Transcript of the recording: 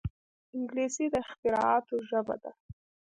انګلیسي د اختراعاتو ژبه ده